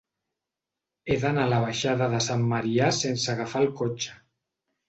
He d'anar a la baixada de Sant Marià sense agafar el cotxe.